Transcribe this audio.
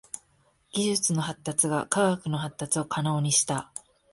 技術の発達が科学の発達を可能にした。